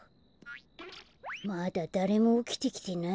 まだだれもおきてきてないね。